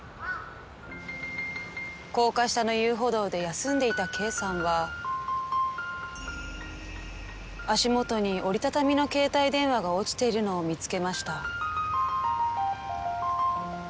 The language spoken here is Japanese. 高架下の遊歩道で休んでいたＫさんは足元に折り畳みの携帯電話が落ちているのを見つけました。